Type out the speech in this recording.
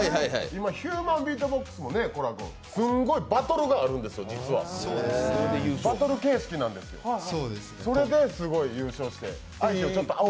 今ヒューマンビートボックスもすんごいバトルがあるんですよ、実はバトル形式なんですよ、それですごい優勝してて。